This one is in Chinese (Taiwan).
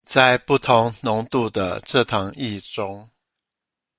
在不同濃度的蔗糖液中